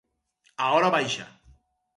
A hora baixa.